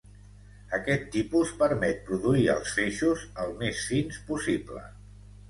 Aquest tipus permet produir els feixos el més fins possible.